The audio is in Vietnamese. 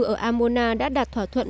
ở amona đã đạt thỏa thuận